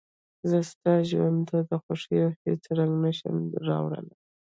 زه ستاسو ژوند ته د خوښيو هېڅ رنګ نه شم راوړلى.